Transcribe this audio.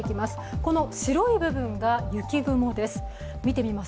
この白い部分が雪雲です。